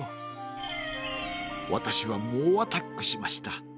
わたしはもうアタックしました。